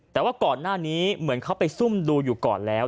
แต่ว่าก่อนหน้านี้เหมือนเขาไปซุ่มดูอยู่ก่อนแล้ว